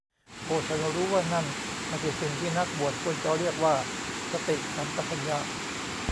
โอ้ ฉันรู้ว่านั่นไม่ใช่สิ่งที่นักบวชควรจะเรียกว่าสติสัมปชัญญะ